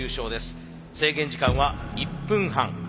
制限時間は１分半。